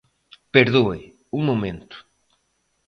Perdoe, un momento.